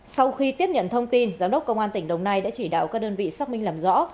sau khi tiếp nhận thông tin giám đốc công an tỉnh đồng nai đã chỉ đạo các đơn vị xác minh làm rõ